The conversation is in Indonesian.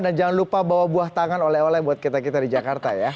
dan jangan lupa bawa buah tangan oleh oleh buat kita kita di jakarta ya